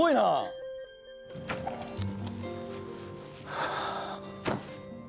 はあ。